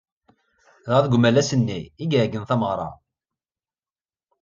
Dɣa deg umalas-nni i iɛeggen tameɣra.